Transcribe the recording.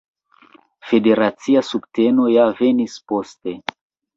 Federacia subteno ja venis poste.